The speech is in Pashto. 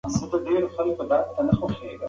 مهرباني وکړه او زما د کوټې کړکۍ لږ خلاص کړه.